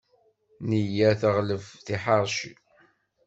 Nneyya teɣleb tiḥeṛci.